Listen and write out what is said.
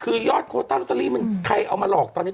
คือยอดโคตรที่นักรอตรีมันใครเอามาหลอกตอนนี้